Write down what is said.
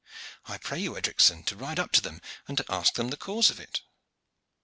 I pray you, Edricson, to ride up to them and to ask them the cause of it."